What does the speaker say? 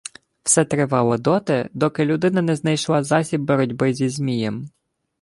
Все тривало доти, доки людина не знайшла засіб боротьби зі Змієм